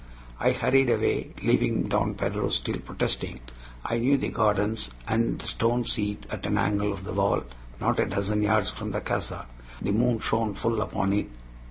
I hurried away, leaving Don Pedro still protesting. I knew the gardens, and the stone seat at an angle of the wall, not a dozen yards from the casa. The moon shone full upon it.